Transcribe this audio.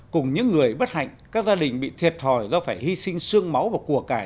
cùng những người bất hạnh các gia đình bị thiệt thòi do phải hy sinh sương máu và cùa cải